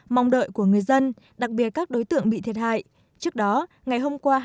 mong đợi của người dân đặc biệt các đối tượng bị thiệt hại